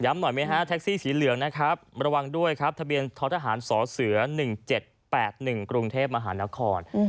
หน่อยไหมฮะแท็กซี่สีเหลืองนะครับระวังด้วยครับทะเบียนท้อทหารสเส๑๗๘๑กรุงเทพมหานคร